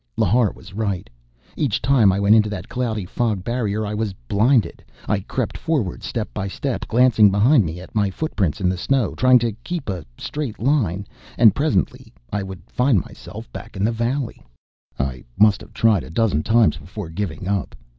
Lhar was right. Each time I went into that cloudy fog barrier I was blinded. I crept forward step by step, glancing behind me at my footprints in the snow, trying to keep in a straight line. And presently I would find myself back in the valley.... I must have tried a dozen times before giving up.